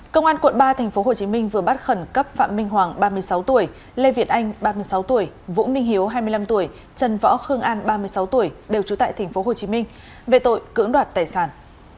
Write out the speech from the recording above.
công an quận ba tp hcm vừa bắt khẩn cấp phạm minh hoàng ba mươi sáu tuổi lê việt anh ba mươi sáu tuổi vũ minh hiếu hai mươi năm tuổi trần võ khương an ba mươi sáu tuổi đều trú tại tp hcm về tội cưỡng đoạt tài sản